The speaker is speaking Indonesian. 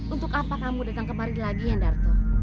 untuk apa kamu datang kemari lagi hendarto